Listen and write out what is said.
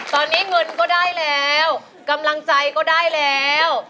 ตอนนี้เงินก็ได้แล้วกำลังใจก็ได้แล้ว